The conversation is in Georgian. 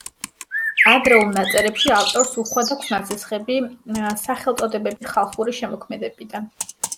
ადრეულ ნაწერებში ავტორს უხვად აქვს ნასესხები სახელწოდებები ხალხური შემოქმედებიდან.